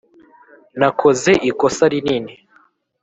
nakoze ikosa rinini